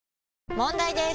問題です！